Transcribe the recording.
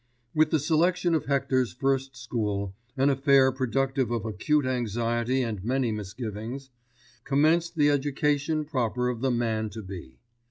With the selection of Hector's first school, an affair productive of acute anxiety and many misgivings, commenced the education proper of the man to be.